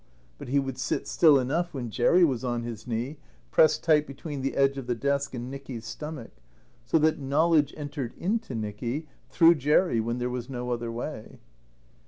But he would sit still enough when Jerry was on his knee, pressed tight between the edge of the desk and Nicky's stomach, so that knowledge entered into Nicky through Jerry when there was no other way.